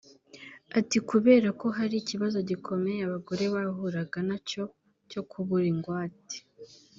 Ati “Kubera ko hari ikibazo gikomeye abagore bahuraga nacyo cyo kubura ingwate